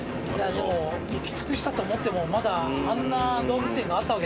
でも行き尽くしたと思ってもまだあんな動物園があったわけだからね。